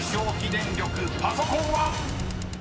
電力パソコンは⁉］